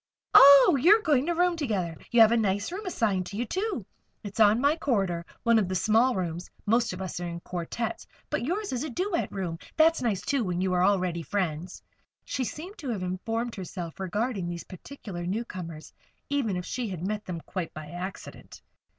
"Ah! you're going to room together. You have a nice room assigned to you, too. It's on my corridor one of the small rooms. Most of us are in quartettes; but yours is a duet room. That's nice, too, when you are already friends." She seemed to have informed herself regarding these particular newcomers, even if she had met them quite by accident.